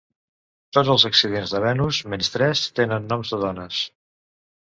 Tots els accidents de Venus, menys tres, tenen noms de dones.